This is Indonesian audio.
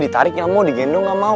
ditarik gak mau digendong gak mau